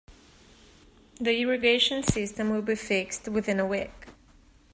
The irrigation system will be fixed within a week.